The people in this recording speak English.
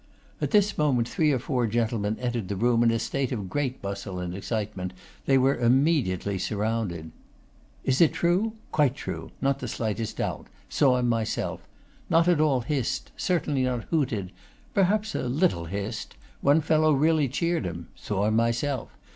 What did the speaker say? At this moment three or four gentlemen entered the room in a state of great bustle and excitement; they were immediately surrounded. 'Is it true?' 'Quite true; not the slightest doubt. Saw him myself. Not at all hissed; certainly not hooted. Perhaps a little hissed. One fellow really cheered him. Saw him myself.